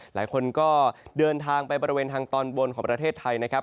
หลายคนก็เดินทางไปบริเวณทางตอนบนของประเทศไทยนะครับ